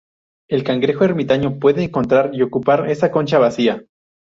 El cangrejo ermitaño puede encontrar y ocupar esa concha vacía.